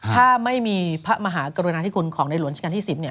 ถ้าไม่มีพระมหากรุณาธิคุณของในหลวงราชการที่๑๐เนี่ย